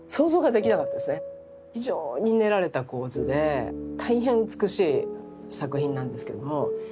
非常に練られた構図で大変美しい作品なんですけども。